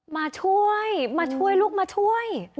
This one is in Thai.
มาช่วยมาช่วยลูกมาช่วย